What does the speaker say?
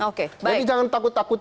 oke jadi jangan takut takut